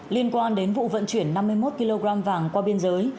liên quan đến vụ vận chuyển năm mươi một kg vàng qua biên giới